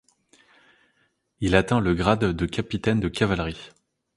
Il atteint le grade de capitaine de cavalerie.